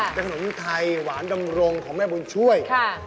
เป็นขนมไทยหวานดำรงของแม่บุญช่วย